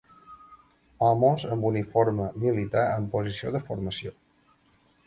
Homes amb uniforme militar en posició de formació.